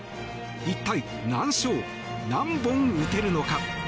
一体、何勝、何本打てるのか。